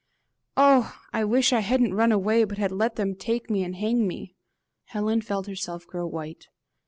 Oh! I wish I hadn't run away, but had let them take me and hang me!" Helen felt herself grow white.